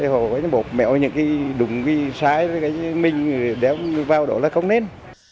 họ bột mẹo những cái đúng sai mình đéo vào đó là không nên